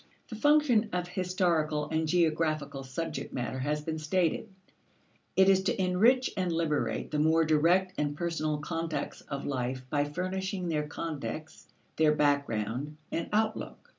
The function of historical and geographical subject matter has been stated; it is to enrich and liberate the more direct and personal contacts of life by furnishing their context, their background and outlook.